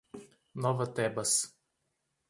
Nova Tebas